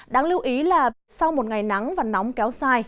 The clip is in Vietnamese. đáng lưu ý là sau một ngày nắng và nóng kéo dài